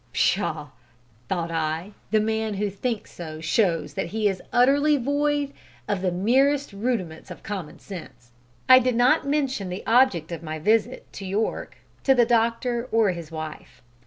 Pshaw! thought I, the man who thinks so shows that he is utterly void of the merest rudiments of common sense! I did not mention the object of my visit to York to the doctor or his wife.